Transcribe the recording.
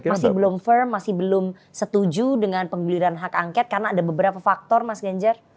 masih belum firm masih belum setuju dengan pengguliran hak angket karena ada beberapa faktor mas ganjar